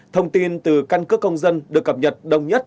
thông tin từ căn cước công dân được cập nhật đồng nhất